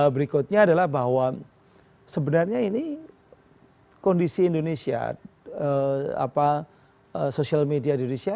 berikutnya adalah bahwa sebenarnya ini kondisi indonesia sosial media di indonesia